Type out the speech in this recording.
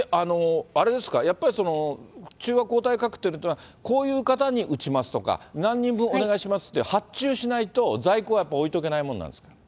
あれですか、やっぱり中和抗体カクテルというのはこういう方に打ちますとか、何人分お願いしますと、発注しないと在庫はやっぱり置いとけないものなんですか。